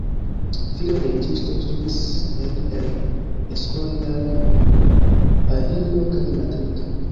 Filo de juĝisto, studis en El Escorial, Avilo kaj Madrido.